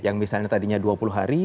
yang misalnya tadinya dua puluh hari